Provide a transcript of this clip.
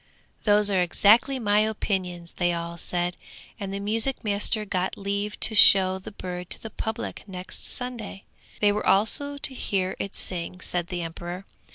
'Those are exactly my opinions,' they all said, and the music master got leave to show the bird to the public next Sunday. They were also to hear it sing, said the emperor.